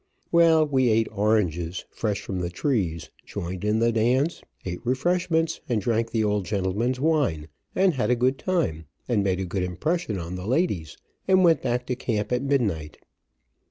Well, we ate oranges fresh from the trees, joined in the dance, ate refreshments, and drank the old gentleman's wine, and had a good time, made a good impression on the ladies, and went back to camp at midnight.